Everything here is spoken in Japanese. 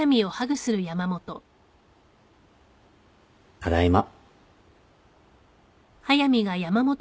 ただいま。